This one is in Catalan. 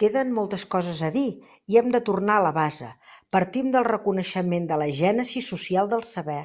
Queden moltes coses a dir, i hem de tornar a la base: partim del reconeixement de la gènesi social del saber.